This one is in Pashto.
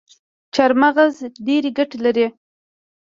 چارمغز ډیري ګټي لري